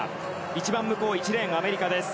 一番向こう１レーンがアメリカです。